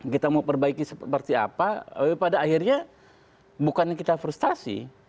kita mau perbaiki seperti apa tapi pada akhirnya bukan kita frustasi